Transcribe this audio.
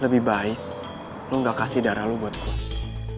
lebih baik lo gak kasih darah lo buat gue